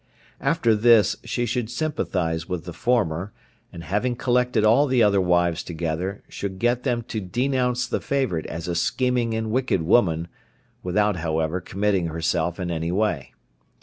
After this she should sympathize with the former, and having collected all the other wives together, should get them to denounce the favourite as a scheming and wicked woman, without however committing herself in any way.